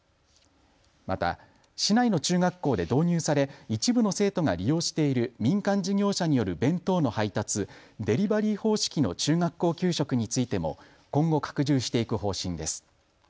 また市内の中学校で導入され一部の生徒が利用している民間事業者による弁当の配達、デリバリー方式の中学校給食についても今後、拡充していく方針です。